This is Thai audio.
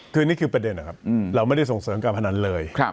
คือนี่คือประเด็นนะครับเราไม่ได้ส่งเสริมการพนันเลย